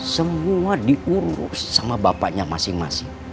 semua diurus sama bapaknya masing masing